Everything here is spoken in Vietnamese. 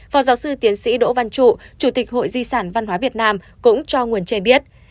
phó giáo sư tiến sĩ đỗ văn trụ chủ tịch hội di sản văn hóa việt nam cũng cho nguồn trên biết